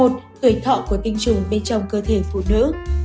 một tuổi thọ của tình trùng bên trong cơ thể phụ nữ